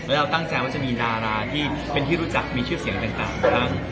แล้วเราตั้งใจว่าจะมีดาราที่เป็นที่รู้จักมีชื่อเสียงต่างบ้าง